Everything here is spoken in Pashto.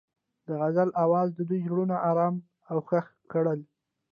د غزل اواز د دوی زړونه ارامه او خوښ کړل.